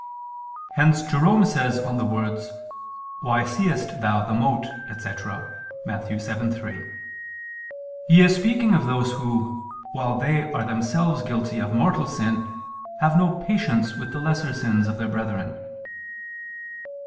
Hence Jerome says on the words, "Why seest thou the mote?" etc. (Matt. 7:3): "He is speaking of those who, while they are themselves guilty of mortal sin, have no patience with the lesser sins of their brethren."